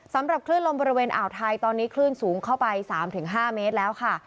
สำหรับคลื่นลมบริเวณอ่าวไทยตอนนี้คลื่นสูงเข้าไป๓๕เมตรแล้วค่ะ